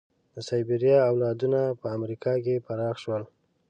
د سایبریا اولادونه په امریکا کې پراخه شول.